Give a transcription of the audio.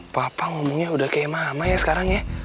papa ngomongnya udah kayak mama ya sekarang ya